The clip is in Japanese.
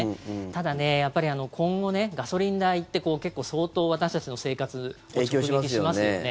ただ、やっぱり今後、ガソリン代って結構、相当私たちの生活直撃しますよね。